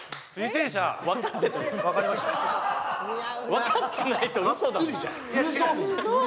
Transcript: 分かってないと嘘でしょ。